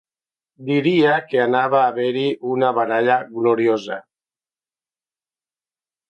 Diria que anava a haver-hi una baralla gloriosa.